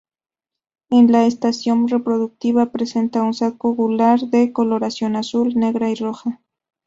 En la estación reproductiva, presenta un saco gular de coloración azul, negra y roja.